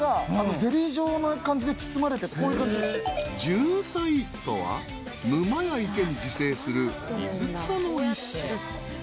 ［ジュンサイとは沼や池に自生する水草の一種］